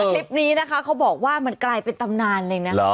คลิปนี้นะคะเขาบอกว่ามันกลายเป็นตำนานเลยนะ